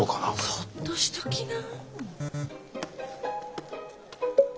そっとしときな。